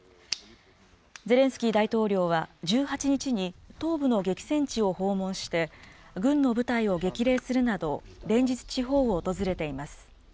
ゼレンスキー大統領は、１８日に東部の激戦地を訪問して、軍の部隊を激励するなど、連日、地方を訪れています。